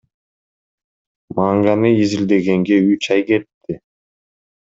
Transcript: Манганы изилдегенге үч ай кетти.